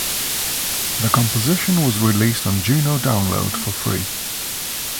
The composition was released on Juno Download for free.